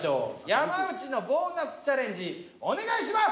山内のボーナスチャレンジお願いします！